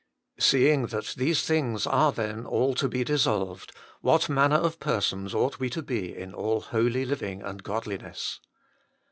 'Seeing that these things are, then, all to be dis solved, what manner of persons ought we to be in all holy living and godliness